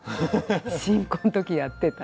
新婚の時にやってた。